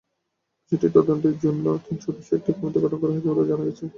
বিষয়টি তদন্তের জন্য তিন সদস্যের একটি কমিটি করা হয়েছে বলে জানা গেছে।